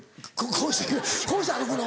こうして歩くの？